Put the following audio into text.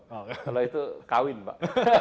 kalau itu kawin pak